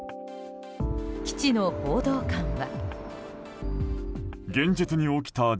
基地の報道官は。